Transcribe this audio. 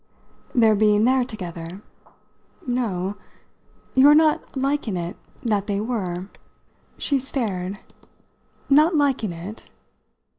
"Their being there together?" "No. Your not liking it that they were." She stared. "Not liking it?"